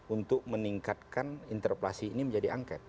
untuk meningkatkan interpelasi ini menjadi angket